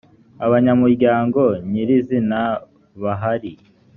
abanyamuryango nyir izina bahari